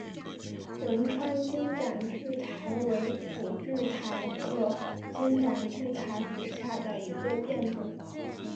汶川金盏苣苔为苦苣苔科金盏苣苔属下的一个变种。